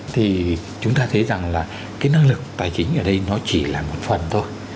thì chúng ta thấy rằng là cái năng lực tài chính ở đây nó chỉ là một phần thôi